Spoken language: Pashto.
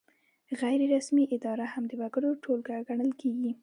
غیر رسمي اداره هم د وګړو ټولګه ګڼل کیږي.